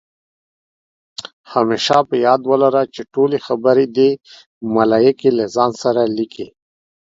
همېشه په یاد ولره، چې ټولې خبرې دې ملائکې له ځان سره لیکي